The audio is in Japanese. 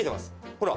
ほら。